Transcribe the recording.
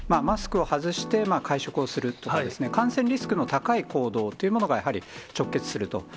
マスクを外して、会食をするってことですね、感染リスクの高い行動というものが、やはり直結すると。